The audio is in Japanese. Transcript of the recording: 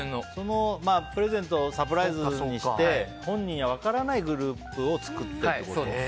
プレゼント、サプライズにして本人には分からないグループを作ってってことね。